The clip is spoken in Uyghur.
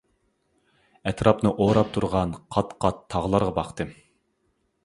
ئەتراپنى ئوراپ تۇرغان قات-قات تاغلارغا باقتىم.